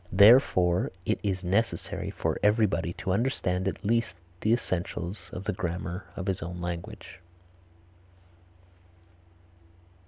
Therefore, it is necessary for everybody to understand at least the essentials of the grammar of his own language.